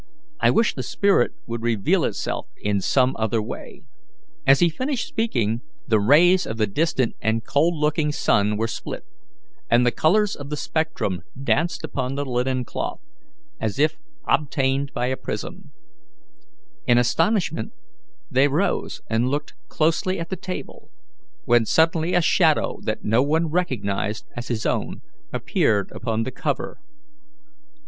I wish the spirit would reveal itself in some other way." As he finished speaking, the rays of the distant and cold looking sun were split, and the colours of the spectrum danced upon the linen cloth, as if obtained by a prism. In astonishment, they rose and looked closely at the table, when suddenly a shadow that no one recognized as his own appeared upon the cover.